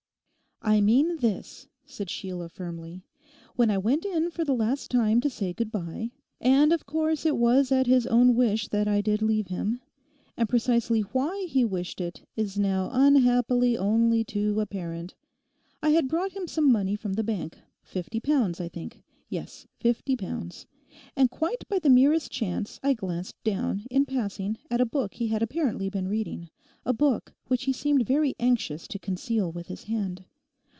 'I mean this,' said Sheila firmly. 'When I went in for the last time to say good bye—and of course it was at his own wish that I did leave him; and precisely why he wished it is now unhappily only too apparent—I had brought him some money from the bank—fifty pounds, I think; yes, fifty pounds. And quite by the merest chance I glanced down, in passing, at a book he had apparently been reading, a book which he seemed very anxious to conceal with his hand.